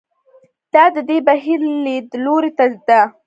دا د دې بهیر لیدلوري ته ده.